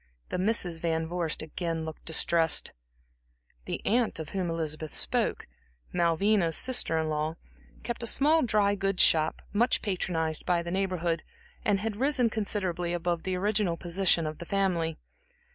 The Misses Van Vorst again looked distressed. The aunt of whom Elizabeth spoke, Malvina's sister in law, kept a small dry goods shop, much patronized by the Neighborhood, and had risen considerably above the original position of the family.